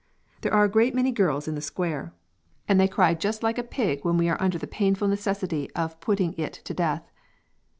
There are a great many Girls in the Square and they cry just like a pig when we are under the painfull necessity of putting it to Death.